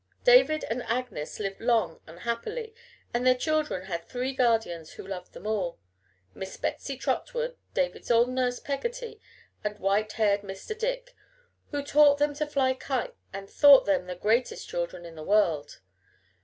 David and Agnes lived long and happily, and their children had three guardians who loved them all Miss Betsy Trotwood, David's old nurse, Peggotty, and white haired Mr. Dick, who taught them to fly kites and thought them the greatest children in the world.